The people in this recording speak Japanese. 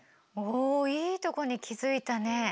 おいいとこに気付いたね。